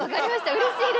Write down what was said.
うれしいです。